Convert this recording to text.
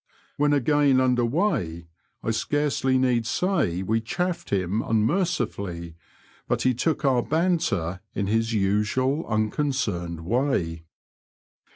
When again under weigh, I scarcely need say we chaffed him unmercifolly, but he took our banter in his nsual unconcerned way.